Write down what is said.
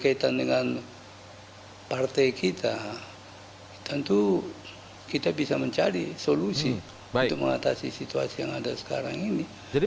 kalau kita mampu menempatkan satu kepentingan lebih besar yang berkaitan dengan partai kita tentu kita bisa mencari solusi untuk mengatasi situasi yang ada sekarang ini